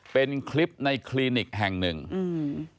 เป็นคลิปในคลินิกแห่งหนึ่งอืม